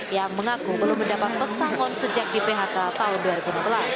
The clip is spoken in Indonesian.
yang mengaku belum mendapat pesangon sejak di phk tahun dua ribu enam belas